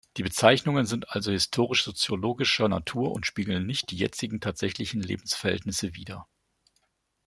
Die Bezeichnungen sind also historisch-soziologischer Natur und spiegeln nicht die jetzigen tatsächlichen Lebensverhältnisse wider.